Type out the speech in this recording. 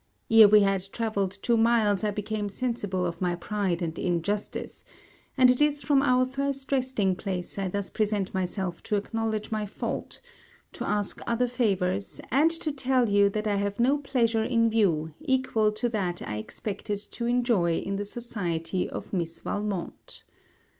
Ere we had travelled two miles I became sensible of my pride and injustice; and it is from our first resting place I thus present myself to acknowledge my fault, to ask other favors, and to tell you that I have no pleasure in view equal to that I expected to enjoy in the society of Miss Valmont.